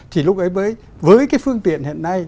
thì lúc ấy với cái phương tiện hiện nay